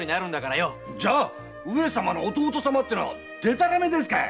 じゃ上様の弟様ってのはでたらめですかい？